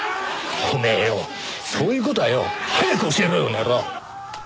おめえよそういう事はよ早く教えろよこの野郎！